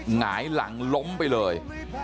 หงายหลังล้มไปเลย